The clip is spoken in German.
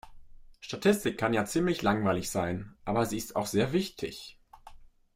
Statistik kann ja ziemlich langweilig sein, aber sie ist auch sehr wichtig.